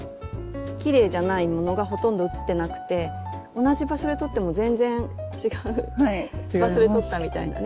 きれいじゃないものがほとんど写ってなくて同じ場所で撮っても全然違う場所で撮ったみたいなね